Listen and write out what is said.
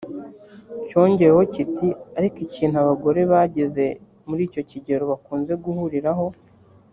cyongeyeho kiti ariko ikintu abagore bageze muri icyo kigero bakunze guhuriraho